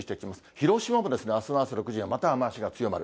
広島もあすの朝６時にはまた雨足が強まる。